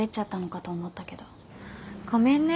ごめんね。